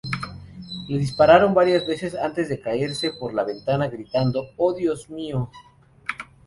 Le dispararon varias veces antes de caerse por la ventana, gritando: '¡Oh Dios mío!